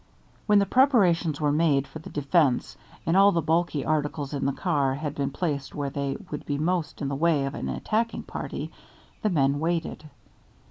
When the preparations were made for the defence, and all the bulky articles in the car had been placed where they would be most in the way of an attacking party, the men waited.